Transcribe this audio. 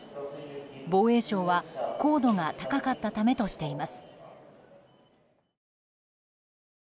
防衛省は、高度が高かったためとしています。